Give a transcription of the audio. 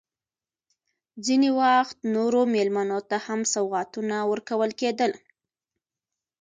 ځینې وخت نورو مېلمنو ته هم سوغاتونه ورکول کېدل.